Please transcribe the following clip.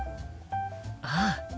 ああ。